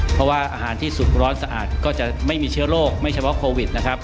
เพราะว่าอาหารที่สุดร้อนสะอาดก็จะไม่มีเชื้อโรคไม่เฉพาะโควิดนะครับ